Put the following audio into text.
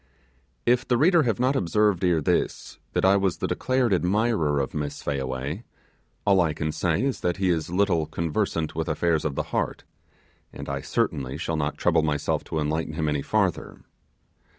If the reader has not observed ere this that I was the declared admirer of Miss Fayaway, all I can say is that he is little conversant with affairs of the heart, and I certainly shall not trouble myself to enlighten him any farther.